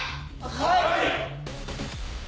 ⁉はい！